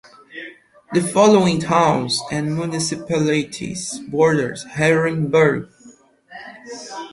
The following towns and municipalities border Herrenberg.